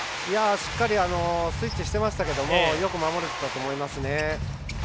しっかりスイッチしていましたけどよく守れていたと思います。